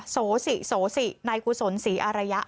โสสิโสสินายกุศลศรีอารยะ